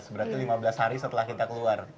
berarti lima belas hari setelah kita keluar